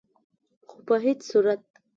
خو په هيڅ صورت